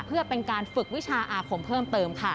เพื่อเป็นการฝึกวิชาอาคมเพิ่มเติมค่ะ